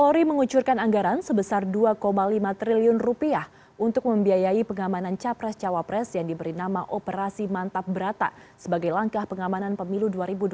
polri mengucurkan anggaran sebesar dua lima triliun rupiah untuk membiayai pengamanan capres cawapres yang diberi nama operasi mantap berata sebagai langkah pengamanan pemilu dua ribu dua puluh